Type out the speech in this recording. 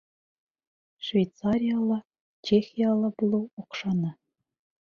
Швейцарияла, Чехияла булыу оҡшаны.